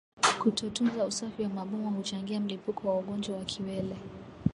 Kutotunza usafi wa maboma huchangia mlipuko wa ugonjwa wa kiwele